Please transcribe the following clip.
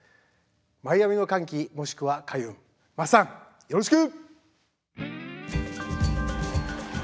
「マイアミの歓喜もしくは開運」まっさんよろしく！